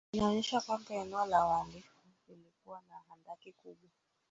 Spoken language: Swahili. inaonyesha kwamba eneo la wahalifu lilikuwa na handaki kubwa